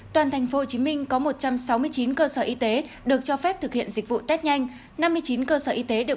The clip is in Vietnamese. toàn tp hcm có một trăm sáu mươi chín cơ sở y tế được cho phép thực hiện dịch vụ test nhanh năm mươi chín cơ sở y tế được